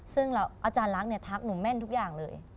ซึ่งอาจารย์ลักษณ์ทักหนูแม่นทุกอย่างเลย